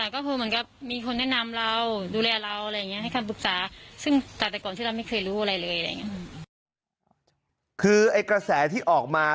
คือไอ้กระแสที่ออกมา